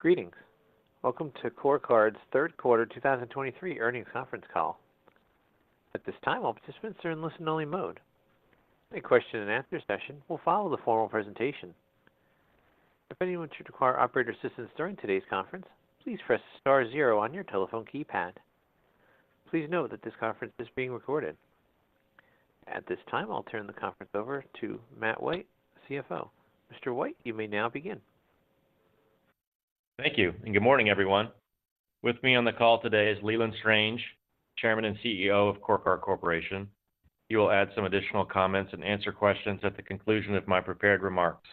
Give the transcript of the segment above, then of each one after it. Greetings. Welcome to CoreCard's third quarter 2023 earnings conference call. At this time, all participants are in listen-only mode. A question and answer session will follow the formal presentation. If anyone should require operator assistance during today's conference, please press star zero on your telephone keypad. Please note that this conference is being recorded. At this time, I'll turn the conference over to Matt White, CFO. Mr. White, you may now begin. Thank you, and good morning, everyone. With me on the call today is Leland Strange, Chairman and CEO of CoreCard Corporation. He will add some additional comments and answer questions at the conclusion of my prepared remarks.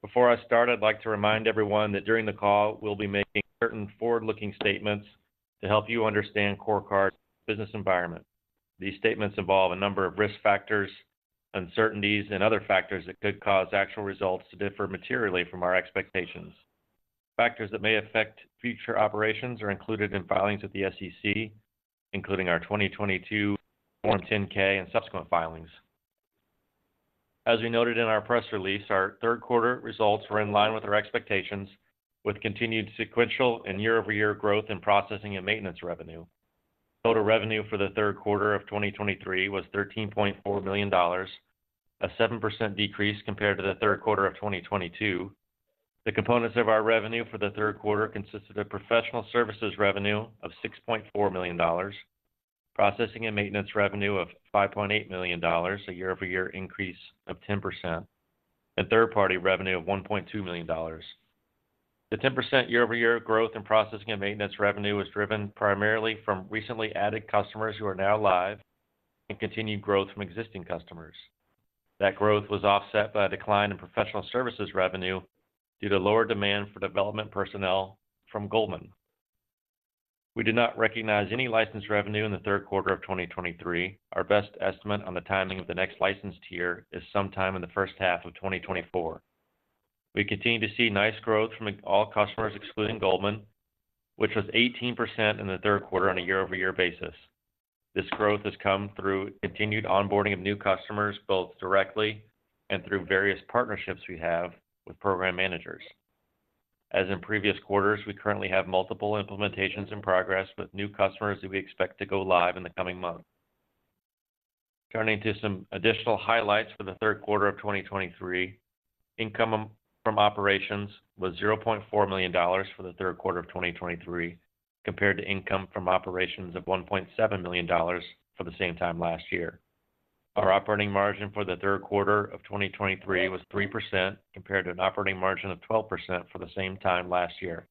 Before I start, I'd like to remind everyone that during the call, we'll be making certain forward-looking statements to help you understand CoreCard's business environment. These statements involve a number of risk factors, uncertainties, and other factors that could cause actual results to differ materially from our expectations. Factors that may affect future operations are included in filings with the SEC, including our 2022 Form 10-K and subsequent filings. As we noted in our press release, our third quarter results were in line with our expectations, with continued sequential and year-over-year growth in processing and maintenance revenue. Total revenue for the third quarter of 2023 was $13.4 million, a 7% decrease compared to the third quarter of 2022. The components of our revenue for the third quarter consisted of professional services revenue of $6.4 million, processing and maintenance revenue of $5.8 million, a year-over-year increase of 10%, and third-party revenue of $1.2 million. The 10% year-over-year growth in processing and maintenance revenue was driven primarily from recently added customers who are now live and continued growth from existing customers. That growth was offset by a decline in professional services revenue due to lower demand for development personnel from Goldman. We did not recognize any license revenue in the third quarter of 2023. Our best estimate on the timing of the next license tier is sometime in the first half of 2024. We continue to see nice growth from all customers, excluding Goldman, which was 18% in the third quarter on a year-over-year basis. This growth has come through continued onboarding of new customers, both directly and through various partnerships we have with program managers. As in previous quarters, we currently have multiple implementations in progress with new customers who we expect to go live in the coming months. Turning to some additional highlights for the third quarter of 2023, income from operations was $0.4 million for the third quarter of 2023, compared to income from operations of $1.7 million for the same time last year. Our operating margin for the third quarter of 2023 was 3%, compared to an operating margin of 12% for the same time last year.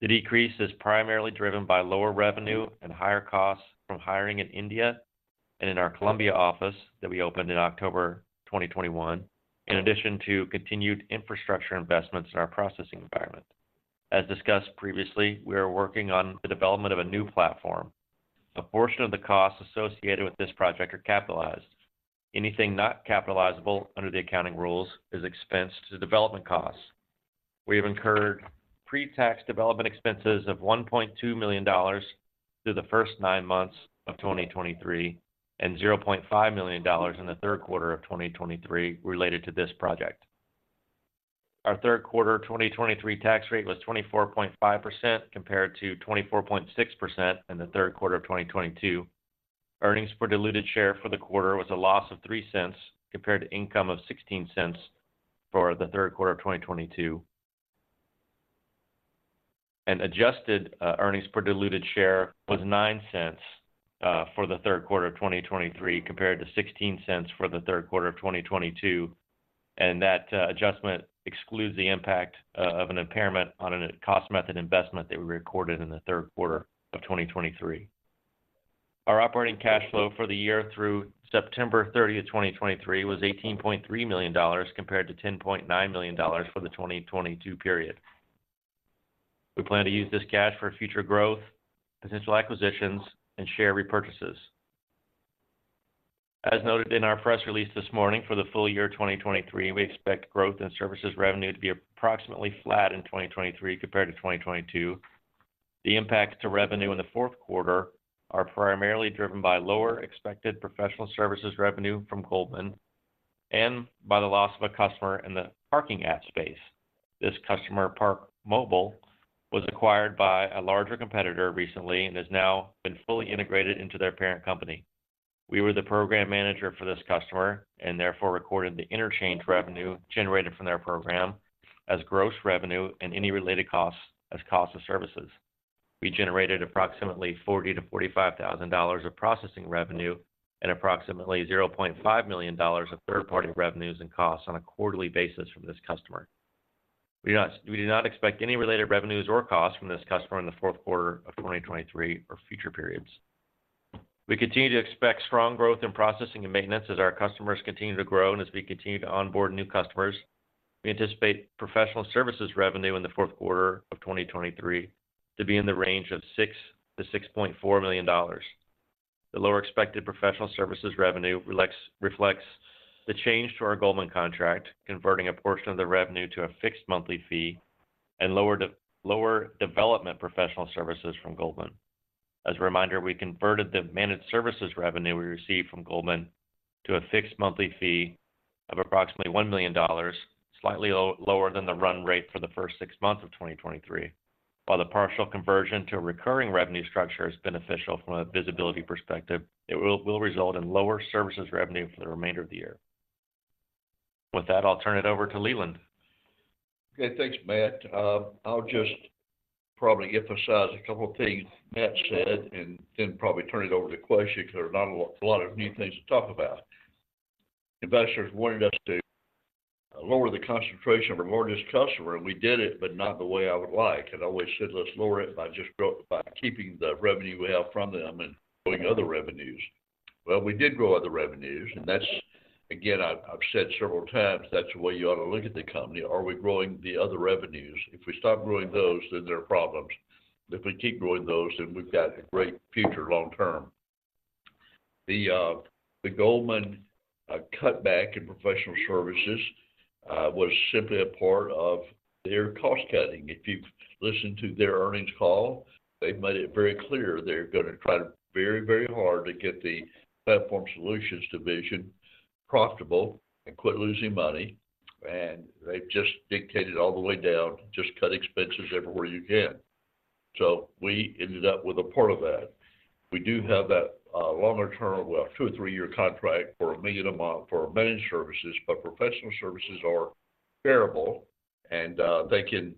The decrease is primarily driven by lower revenue and higher costs from hiring in India and in our Colombia office that we opened in October 2021, in addition to continued infrastructure investments in our processing environment. As discussed previously, we are working on the development of a new platform. A portion of the costs associated with this project are capitalized. Anything not capitalizable under the accounting rules is expensed to development costs. We have incurred pre-tax development expenses of $1.2 million through the first nine months of 2023, and $0.5 million in the third quarter of 2023 related to this project. Our third quarter 2023 tax rate was 24.5%, compared to 24.6% in the third quarter of 2022. Earnings per diluted share for the quarter was a loss of $0.03, compared to income of $0.16 for the third quarter of 2022. Adjusted earnings per diluted share was $0.09 for the third quarter of 2023, compared to $0.16 for the third quarter of 2022, and that adjustment excludes the impact of an impairment on a cost method investment that we recorded in the third quarter of 2023. Our operating cash flow for the year through September 30th, 2023, was $18.3 million, compared to $10.9 million for the 2022 period. We plan to use this cash for future growth, potential acquisitions, and share repurchases. As noted in our press release this morning, for the full year of 2023, we expect growth in services revenue to be approximately flat in 2023 compared to 2022. The impact to revenue in the fourth quarter are primarily driven by lower expected professional services revenue from Goldman and by the loss of a customer in the parking app space. This customer, ParkMobile, was acquired by a larger competitor recently and has now been fully integrated into their parent company. We were the program manager for this customer and therefore recorded the interchange revenue generated from their program as gross revenue and any related costs as cost of services. We generated approximately $40,000-$45,000 of processing revenue and approximately $0.5 million of third-party revenues and costs on a quarterly basis from this customer. We do not expect any related revenues or costs from this customer in the fourth quarter of 2023 or future periods. We continue to expect strong growth in processing and maintenance as our customers continue to grow and as we continue to onboard new customers. We anticipate professional services revenue in the fourth quarter of 2023 to be in the range of $6 million-$6.4 million. The lower expected professional services revenue reflects the change to our Goldman contract, converting a portion of the revenue to a fixed monthly fee and lower development professional services from Goldman. As a reminder, we converted the managed services revenue we received from Goldman to a fixed monthly fee of approximately $1 million, slightly lower than the run rate for the first six months of 2023. While the partial conversion to a recurring revenue structure is beneficial from a visibility perspective, it will result in lower services revenue for the remainder of the year. With that, I'll turn it over to Leland. Okay, thanks, Matt. I'll just probably emphasize a couple of things Matt said, and then probably turn it over to questions because there are not a lot of new things to talk about. Investors wanted us to lower the concentration of our largest customer, and we did it, but not the way I would like. I'd always said, "Let's lower it by just by keeping the revenue we have from them and growing other revenues." Well, we did grow other revenues, and that's again, I've said several times, that's the way you ought to look at the company. Are we growing the other revenues? If we stop growing those, then there are problems. But if we keep growing those, then we've got a great future long term. The Goldman cutback in professional services was simply a part of their cost-cutting. If you've listened to their earnings call, they've made it very clear they're going to try very, very hard to get the Platform Solutions division profitable and quit losing money, and they've just dictated all the way down, "Just cut expenses everywhere you can." So we ended up with a part of that. We do have that, longer-term, well, two or three-year contract for $1 million a month for managed services, but professional services are variable, and they can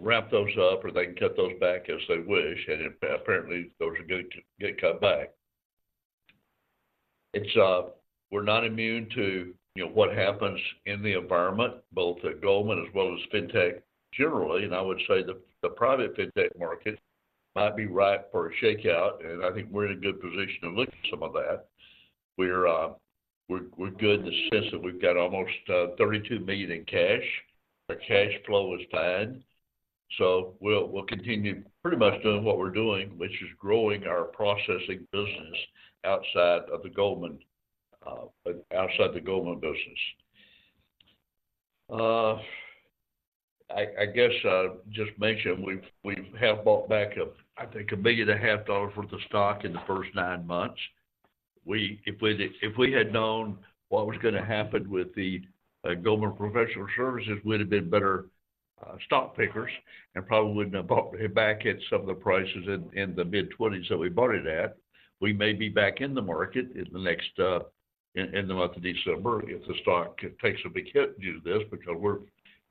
ramp those up or they can cut those back as they wish, and apparently, those are going to get cut back. It's, we're not immune to, you know, what happens in the environment, both at Goldman as well as fintech generally. I would say the private fintech market might be ripe for a shakeout, and I think we're in a good position to look at some of that. We're good in the sense that we've got almost $32 million in cash. Our cash flow is tied, so we'll continue pretty much doing what we're doing, which is growing our processing business outside of the Goldman outside the Goldman business. I guess I'll just mention we have bought back I think $1.5 billion worth of stock in the first nine months. If we'd known what was going to happen with the Goldman professional services, we'd have been better stock pickers and probably wouldn't have bought it back at some of the prices in the mid-20s that we bought it at. We may be back in the market in the next in the month of December, if the stock takes a big hit due to this, because we're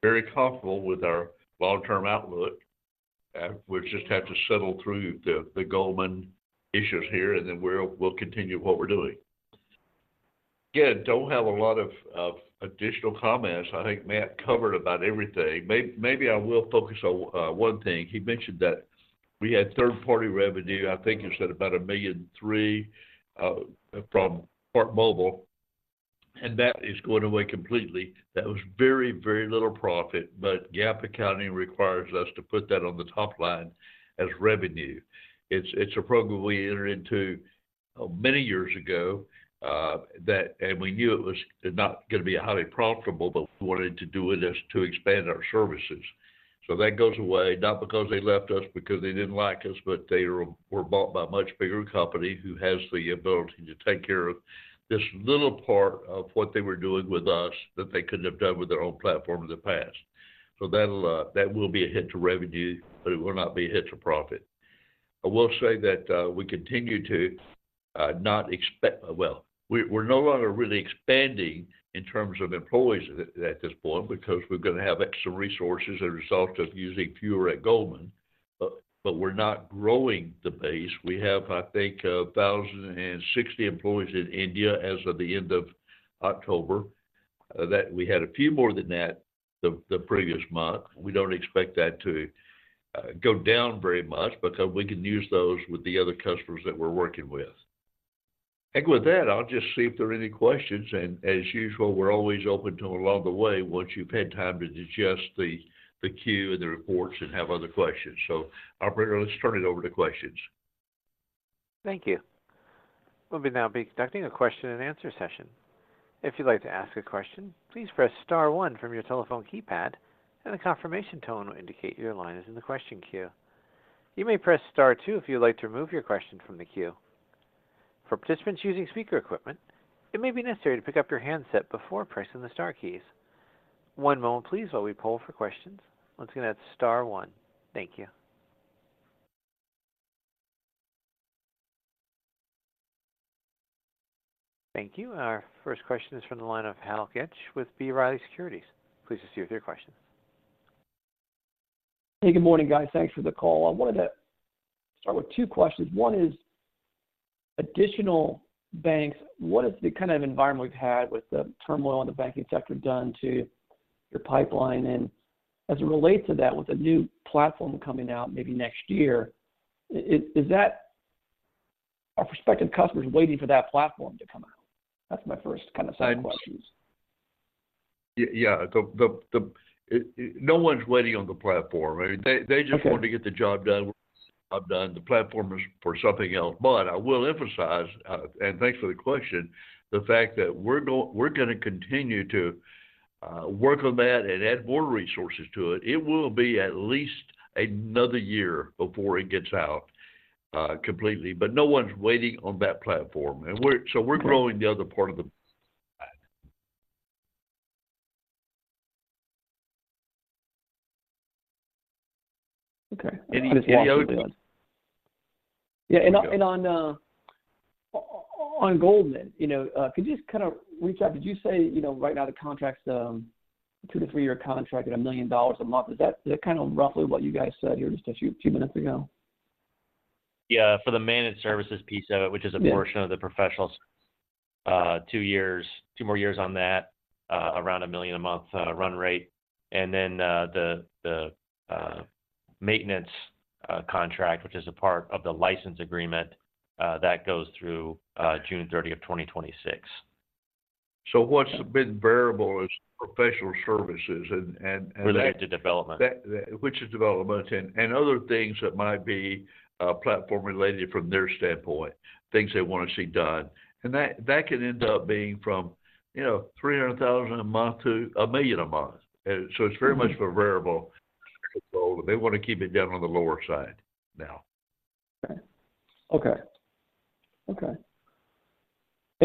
very comfortable with our long-term outlook. We'll just have to settle through the Goldman issues here, and then we'll continue what we're doing. Again, don't have a lot of additional comments. I think Matt covered about everything. Maybe I will focus on one thing. He mentioned that we had third-party revenue. I think he said about $1.3 million from ParkMobile, and that is going away completely. That was very, very little profit, but GAAP accounting requires us to put that on the top line as revenue. It's a program we entered into many years ago, that. And we knew it was not going to be highly profitable, but we wanted to do it just to expand our services. So that goes away, not because they left us, because they didn't like us, but they were bought by a much bigger company who has the ability to take care of this little part of what they were doing with us that they couldn't have done with their own platform in the past. So that'll, that will be a hit to revenue, but it will not be a hit to profit. I will say that, we continue to not expect. Well, we, we're no longer really expanding in terms of employees at this point because we're going to have extra resources as a result of using fewer at Goldman. But we're not growing the base. We have, I think, 1,060 employees in India as of the end of October. That we had a few more than that the previous month. We don't expect that to go down very much because we can use those with the other customers that we're working with. I think with that, I'll just see if there are any questions, and as usual, we're always open to along the way, once you've had time to digest the Q and the reports and have other questions. So operator, let's turn it over to questions. Thank you. We'll now be conducting a question and answer session. If you'd like to ask a question, please press star one from your telephone keypad, and a confirmation tone will indicate your line is in the question queue. You may press star two if you'd like to remove your question from the queue. For participants using speaker equipment, it may be necessary to pick up your handset before pressing the star keys. One moment please, while we poll for questions. Once again, that's star one. Thank you. Thank you. Our first question is from the line of Hal Goetsch with B. Riley Securities. Please proceed with your questions. Hey, good morning, guys. Thanks for the call. I wanted to start with two questions. One is additional banks. What is the kind of environment we've had with the turmoil in the banking sector done to your pipeline? And as it relates to that, with a new platform coming out maybe next year, is that are prospective customers waiting for that platform to come out? That's my first kind of side questions. Yeah, no one's waiting on the platform. Okay. I mean, they just want to get the job done. I've done the platform for something else. But I will emphasize, and thanks for the question, the fact that we're going to continue to work on that and add more resources to it. It will be at least another year before it gets out completely, but no one's waiting on that platform. So we're growing the other part of the business. Okay. On Goldman, you know, could you just kind of reach out? Did you say, you know, right now the contract's two to three-year contract at $1 million a month. Is that kind of roughly what you guys said here just a few minutes ago? Yeah, for the Managed Services piece of it which is a portion of the professionals, two years, two more years on that, around $1 million a month run rate. And then, the maintenance contract, which is a part of the license agreement, that goes through June 30th, 2026. So what's the big variable is professional services, Related to development. Which is development and other things that might be platform related from their standpoint, things they wanna see done. And that could end up being from, you know, $300,000-$1 million a month. And so it's very much of a variable, so they want to keep it down on the lower side now. Okay. Okay.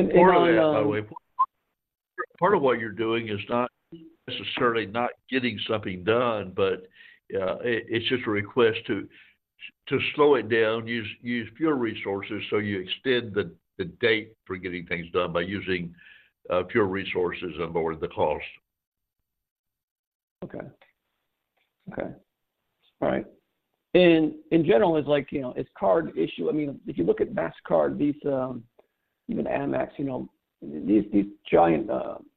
Part of that, by the way, part of what you're doing is not necessarily not getting something done, but it's just a request to slow it down, use fewer resources, so you extend the date for getting things done by using fewer resources and lower the cost. Okay. Okay. All right. And in general, it's like, you know, it's card issue. I mean, if you look at Mastercard, Visa, even Amex, you know, these, these giant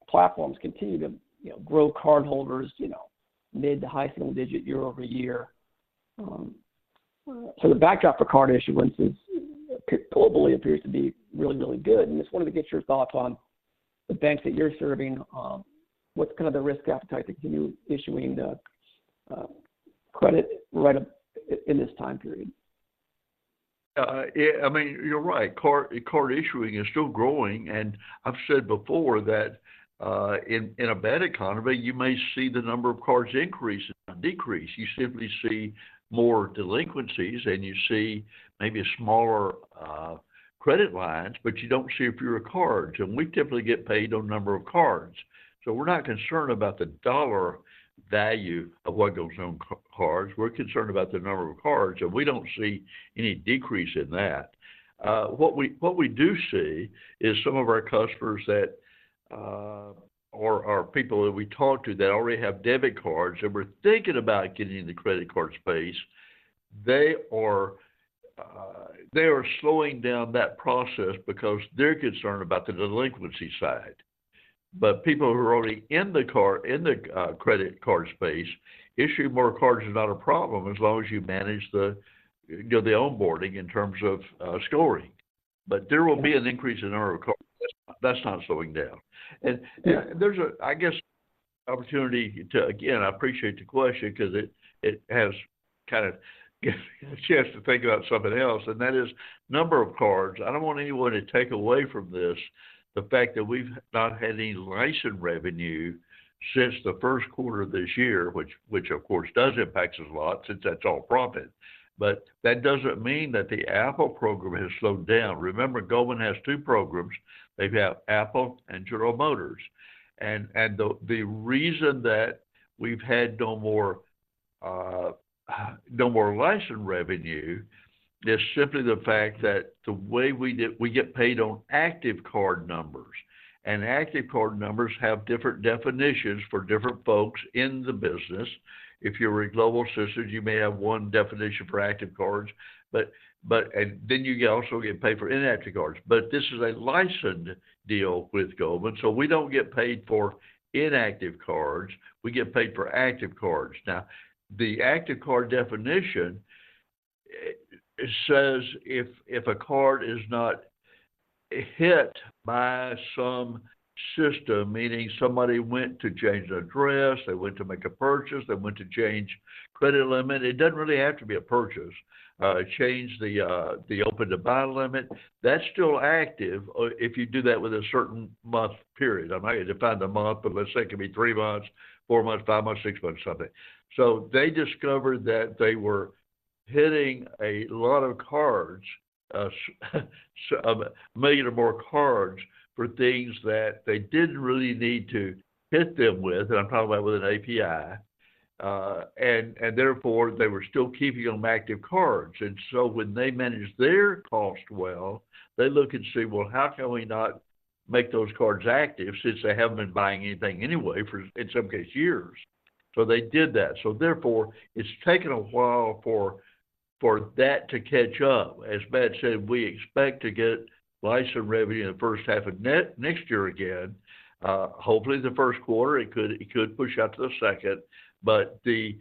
platforms continue to, you know, grow cardholders, you know, mid-to-high single-digit year-over-year. So the backdrop for card issuance is, globally appears to be really, really good. And just wanted to get your thoughts on the banks that you're serving, what's kind of the risk appetite to continue issuing the credit right up in this time period? I mean, you're right. Card issuing is still growing, and I've said before that in a bad economy, you may see the number of cards increase and decrease. You simply see more delinquencies, and you see maybe smaller credit lines, but you don't see fewer cards. And we typically get paid on number of cards, so we're not concerned about the dollar value of what goes on cards. We're concerned about the number of cards, and we don't see any decrease in that. What we do see is some of our customers that or people that we talk to that already have debit cards and were thinking about getting in the credit card space, they are slowing down that process because they're concerned about the delinquency side. But people who are already in the card, in the, credit card space, issuing more cards is not a problem as long as you manage the, you know, the onboarding in terms of, scoring. But there will be an increase in the number of cards. That's not slowing down. Yeah. And there's, I guess, an opportunity to, again, I appreciate the question because it has kind of given me a chance to think about something else, and that is number of cards. I don't want anyone to take away from this, the fact that we've not had any license revenue since the first quarter of this year, which of course does impact us a lot since that's all profit. But that doesn't mean that the Apple program has slowed down. Remember, Goldman has two programs. They have Apple and General Motors. And the reason that we've had no more license revenue is simply the fact that the way we get paid on active card numbers, and active card numbers have different definitions for different folks in the business. If you're with Global Systems, you may have one definition for active cards, but and then you also get paid for inactive cards. But this is a licensed deal with Goldman, so we don't get paid for inactive cards, we get paid for active cards. Now, the active card definition, it says if a card is not hit by some system, meaning somebody went to change their address, they went to make a purchase, they went to change credit limit. It doesn't really have to be a purchase. Change the open to buy limit, that's still active, if you do that with a certain month period. I might define the month, but let's say it could be three months, four months, five months, six months, something. So they discovered that they were hitting a lot of cards, so one million or more cards for things that they didn't really need to hit them with, and I'm talking about with an API, and therefore, they were still keeping them active cards. And so when they manage their cost well, they look and see, well, how can we not make those cards active since they haven't been buying anything anyway, for in some case, years? So they did that. So therefore, it's taken a while for that to catch up. As Matt said, we expect to get license revenue in the first half of next year again, hopefully the first quarter. It could push out to the second, but the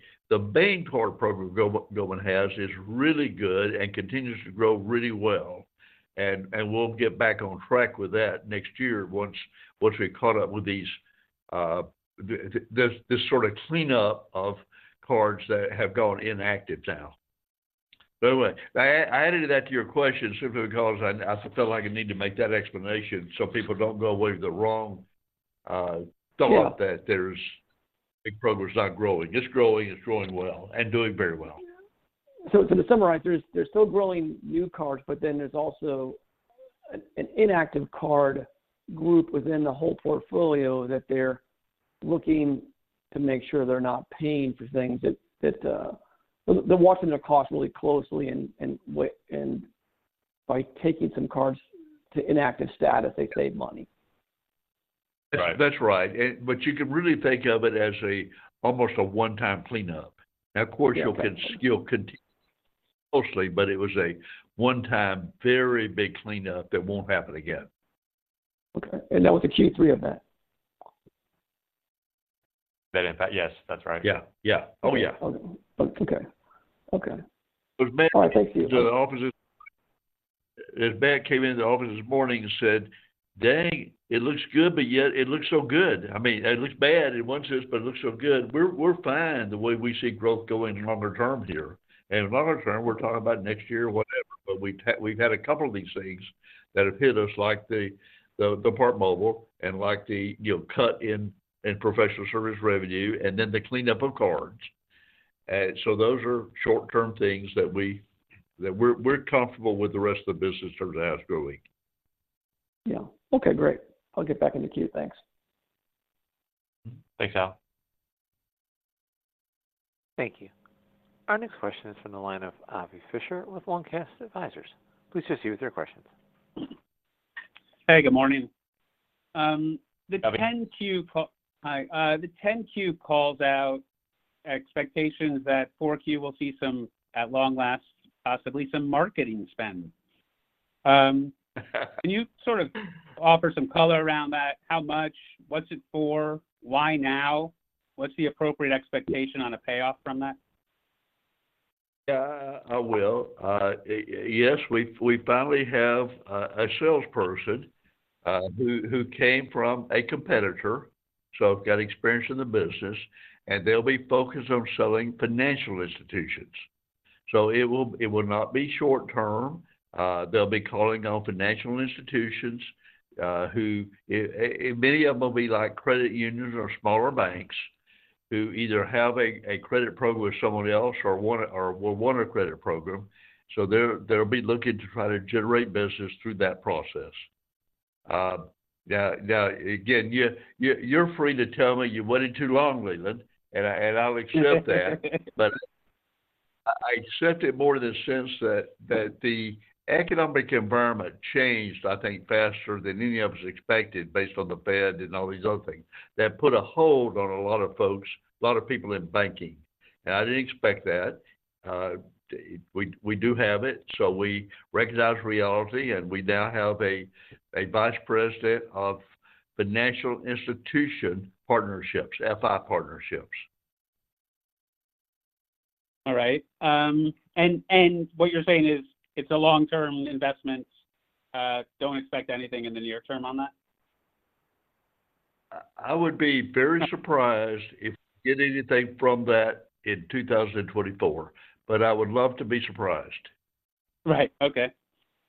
bank card program Goldman has is really good and continues to grow really well, and we'll get back on track with that next year once we caught up with these, the, this sort of cleanup of cards that have gone inactive now. But anyway, I added that to your question simply because I felt like I need to make that explanation so people don't go away with the wrong, thought that there's big program is not growing. It's growing. It's growing well and doing very well. So, to summarize, there's still growing new cards, but then there's also an inactive card group within the whole portfolio that they're looking to make sure they're not paying for things that they're watching their cost really closely and by taking some cards to inactive status, they save money. Right. That's right. But you can really think of it as almost a one-time cleanup. Yeah. Now, of course, you'll still continue mostly, but it was a one-time, very big cleanup that won't happen again. Okay, and that was the Q3 of that? That impact? Yes, that's right. Yeah. Yeah. Oh, yeah. Okay. Okay. All right, thank you. Matt came into the office this morning and said, "Dang, it looks good, but yet it looks so good. I mean, it looks bad in one sense, but it looks so good." We're fine the way we see growth going longer term here. And longer term, we're talking about next year or whatever, but we've had a couple of these things that have hit us, like the ParkMobile and like the, you know, cut in professional service revenue, and then the cleanup of cards. So those are short-term things that we're comfortable with the rest of the business terms to have growing. Yeah. Okay, great. I'll get back in the queue. Thanks. Thanks, Hal. Thank you. Our next question is from the line of Avi Fisher with Long Cast Advisers. Please go ahead with your questions. Hey, good morning. Avi. 10-Q call... Hi, the 10-Q calls out expectations that 4Q will see some, at long last, possibly some marketing spend. Can you sort of offer some color around that? How much? What's it for? Why now? What's the appropriate expectation on a payoff from that? Yeah, I will. Yes, we've finally have a salesperson who came from a competitor, so got experience in the business, and they'll be focused on selling financial institutions. So it will not be short term. They'll be calling on financial institutions who many of them will be like credit unions or smaller banks, who either have a credit program with someone else or want to-- or will want a credit program. So they'll be looking to try to generate business through that process. Now, again, you're free to tell me you waited too long, Leland, and I'll accept that. But I accept it more in the sense that the economic environment changed, I think, faster than any of us expected, based on the Fed and all these other things. That put a hold on a lot of folks, a lot of people in banking, and I didn't expect that. We do have it, so we recognize reality, and we now have a vice president of financial institution partnerships, FI partnerships. All right. What you're saying is, it's a long-term investment, don't expect anything in the near term on that? I would be very surprised if we get anything from that in 2024, but I would love to be surprised. Right. Okay.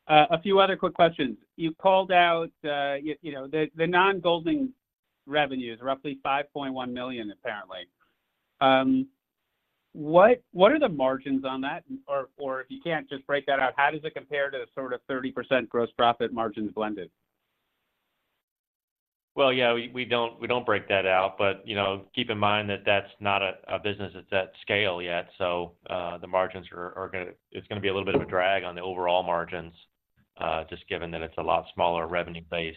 A few other quick questions. You called out, you know, the non-Goldman revenues, roughly $5.1 million, apparently. What are the margins on that? Or, if you can't just break that out, how does it compare to the sort of 30% gross profit margins blended? Well, yeah, we don't break that out, but, you know, keep in mind that that's not a business that's at scale yet. So, the margins are gonna. It's gonna be a little bit of a drag on the overall margins, just given that it's a lot smaller revenue base,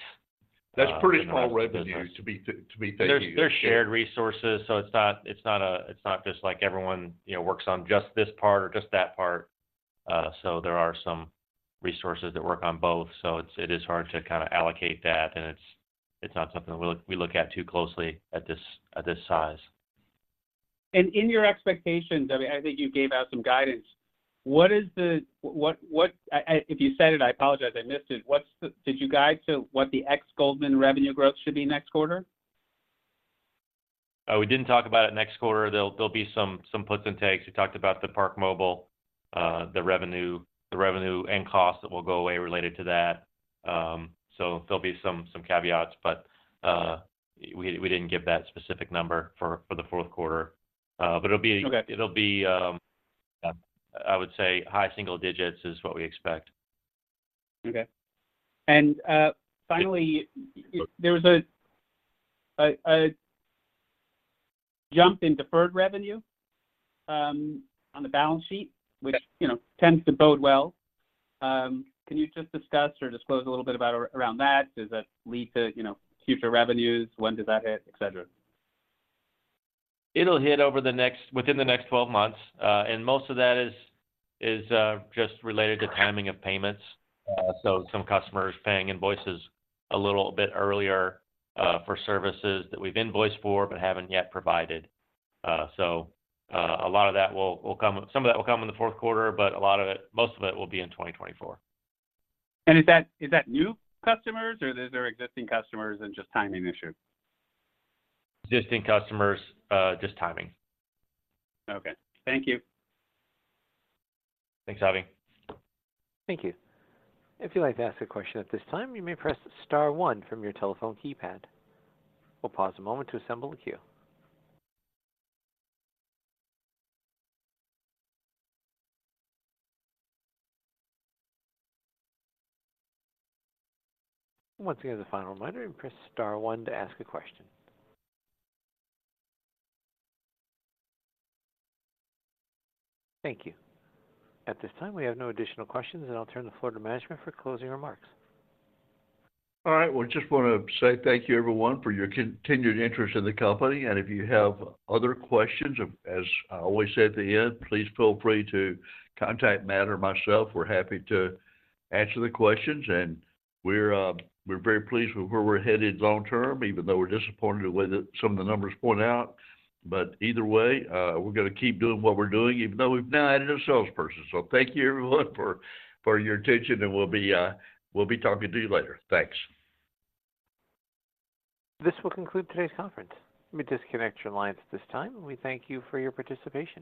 for the business. That's pretty small revenue to be thinking. There's shared resources, so it's not a—it's not just like everyone, you know, works on just this part or just that part. So there are some resources that work on both. So it is hard to kinda allocate that, and it's not something that we look at too closely at this size. And in your expectations, I mean, I think you gave out some guidance. What, if you said it, I apologize, I missed it. What's did you guide to what the ex-Goldman revenue growth should be next quarter? We didn't talk about it next quarter. There'll be some puts and takes. We talked about the ParkMobile, the revenue and cost that will go away related to that. So there'll be some caveats, but we didn't give that specific number for the fourth quarter. But it'll be okay. It'll be, I would say high single digits is what we expect. Okay. And finally, there was a jump in Deferred Revenue on the balance sheet, which, you know, tends to bode well. Can you just discuss or disclose a little bit about around that? Does that lead to, you know, future revenues? When does that hit? Et cetera. It'll hit within the next 12 months. And most of that is just related to timing of payments. So some customers paying invoices a little bit earlier for services that we've invoiced for but haven't yet provided. So some of that will come in the fourth quarter, but a lot of it, most of it will be in 2024. And is that new customers or these are existing customers and just timing issue? Existing customers, just timing. Okay. Thank you. Thanks, Avi. Thank you. If you'd like to ask a question at this time, you may press star one from your telephone keypad. We'll pause a moment to assemble the queue. Once again, the final reminder, press star one to ask a question. Thank you. At this time, we have no additional questions, and I'll turn the floor to management for closing remarks. All right. Well, just wanna say thank you, everyone, for your continued interest in the company. If you have other questions, as I always say at the end, please feel free to contact Matt or myself. We're happy to answer the questions, and we're very pleased with where we're headed long term, even though we're disappointed with it, some of the numbers point out. But either way, we're gonna keep doing what we're doing, even though we've now added a salesperson. So thank you everyone, for your attention, and we'll be, we'll be talking to you later. Thanks. This will conclude today's conference. You may disconnect your lines at this time. We thank you for your participation.